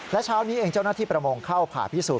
และเช้านี้เองเจ้าหน้าที่ประมงเข้าผ่าพิสูจน